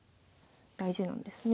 大事なんですね。